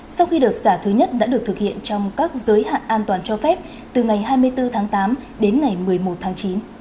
sau khi đợt xả thứ nhất đã được thực hiện trong các giới hạn an toàn cho phép từ ngày hai mươi bốn tháng tám đến ngày một mươi một tháng chín